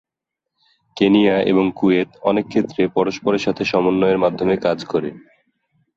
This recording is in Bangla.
কেনিয়া এবং কুয়েত অনেক ক্ষেত্রে পরস্পরের সাথে সমন্বয়ের মাধ্যমে কাজ করে।